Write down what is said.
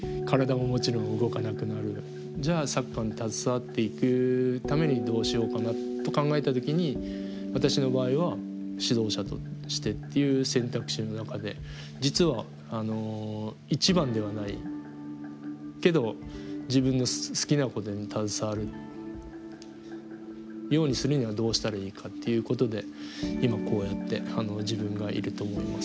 じゃあサッカーに携わっていくためにどうしようかなと考えた時に私の場合は指導者としてっていう選択肢の中で実は一番ではないけど自分の好きなことに携わるようにするにはどうしたらいいかっていうことで今こうやって自分がいると思います。